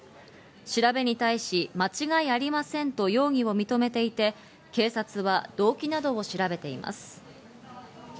調べに対し間違いありませんと容疑を認めていて、警察は動機などを調べています。